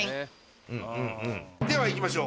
では行きましょう